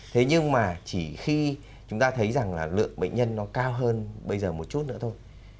thế nhưng mà chỉ khi chúng ta thấy rằng là lượng bệnh nhân nó cao hơn bây giờ một chút nữa thôi